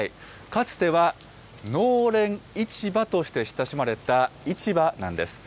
かつては農連市場として親しまれた市場なんです。